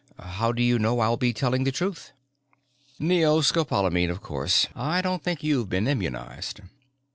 "How do you know I'll be telling the truth?" "Neoscopolamine, of course. I don't think you've been immunized.